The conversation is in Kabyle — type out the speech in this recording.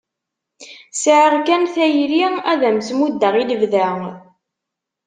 Sɛiɣ kan tayri ad am-tt-muddeɣ i lebda.